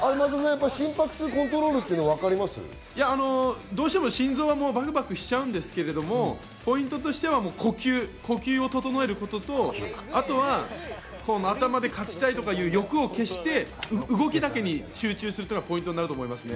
心臓はどうしてもバクバクしちゃうんですけれども、ポイントとしては呼吸、整えることと、あとは頭で勝ちたいという欲を消して、動きだけに集中するのがポイントになると思いますね。